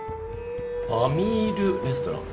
「パミールレストラン」。